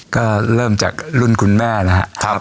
ก็เริ่มจากรุ่นคุณแม่นะครับ